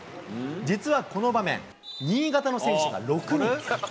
実はこの場面、新潟の選手が６人。